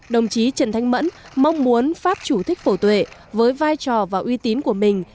đồng chí trần thanh mẫn mong muốn pháp chủ thích phổ tuệ với vai trò và uy tín của mình